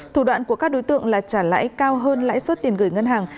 thủ đoạn của các đối tượng là trả lãi cao hơn lãi suất tiền gửi ngân hàng